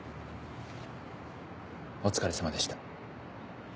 お疲れさまでした。